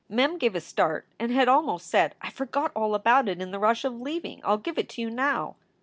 Mem gave a start and had almost said: "I forgot all about it in the rush of leaving. I ll give it to you now."